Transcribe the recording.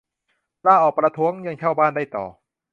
ลาออกประท้วง ยังเช่าบ้านได้ต่อ